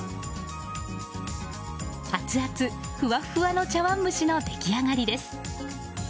アツアツ、ふわふわの茶わん蒸しの出来上がりです。